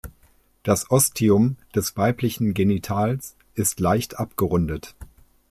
Das Ostium des weiblichen Genitals ist leicht abgerundet.